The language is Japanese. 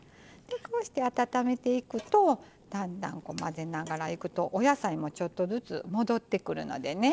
こうして温めていくとだんだん混ぜながらいくとお野菜もちょっとずつ戻ってくるのでね。